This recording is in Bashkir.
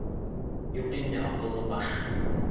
— Юҡ инде, аҡыллы баш!